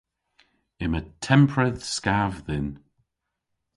Yma tempredh skav dhyn.